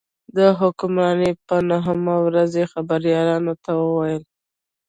د حکمرانۍ په نهمه ورځ یې خبریالانو ته وویل.